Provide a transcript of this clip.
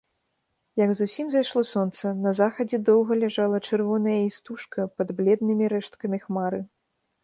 Як зусім зайшло сонца, на захадзе доўга ляжала чырвоная істужка пад бледнымі рэшткамі хмары.